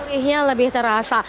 gurihnya lebih terasa